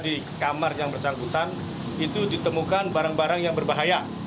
di kamar yang bersangkutan itu ditemukan barang barang yang berbahaya